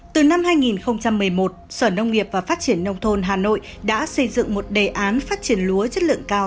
từ năm hai nghìn một mươi một sở nông nghiệp và phát triển nông thôn hà nội đã xây dựng một đề án phát triển lúa chất lượng cao